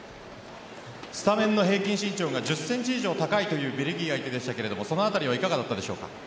スタメンの平均身長が１０ｃｍ以上高いベルギー相手でしたがその辺りはいかがでしたか？